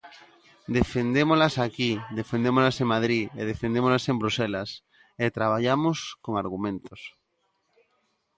Defendémolas aquí, defendémolas en Madrid e defendémolas en Bruxelas, e traballamos con argumentos.